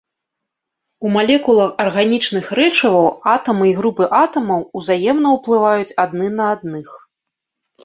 У малекулах арганічных рэчываў атамы і групы атамаў узаемна ўплываюць адны на адных.